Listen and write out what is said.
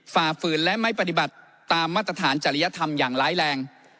ฝ่าฝืนและไม่ปฏิบัติตามมาตรฐานจริยธรรมอย่างร้ายแรง